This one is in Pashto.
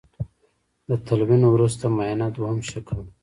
د تلوین وروسته معاینه دویم شکل دی.